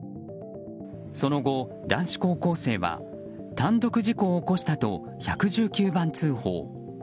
その後、男子高校生は単独事故を起こしたと１１９番通報。